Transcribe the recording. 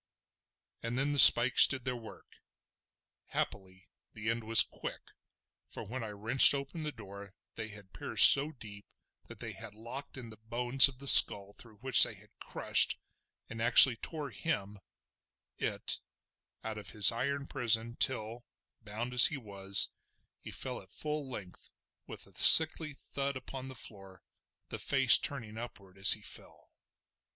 And then the spikes did their work. Happily the end was quick, for when I wrenched open the door they had pierced so deep that they had locked in the bones of the skull through which they had crushed, and actually tore him—it—out of his iron prison till, bound as he was, he fell at full length with a sickly thud upon the floor, the face turning upward as he fell.